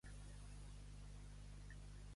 Al mateix rei, res li dec.